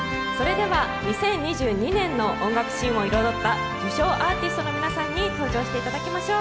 ２０２２年の音楽シーンを彩った受賞アーティストの皆さんに登場していただきましょう。